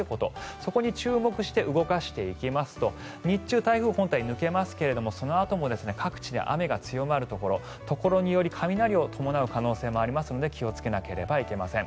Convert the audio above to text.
そこに注目して見ていきますと日中、台風本体抜けますが各地で雨が強まるところところにより雷を伴う可能性もありますので気をつけなければいけません。